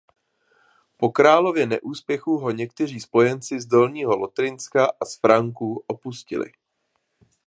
Po králově neúspěchu ho někteří spojenci z Dolního Lotrinska a z Franků opustili.